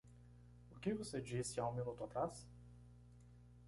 O que você disse há um minuto atrás?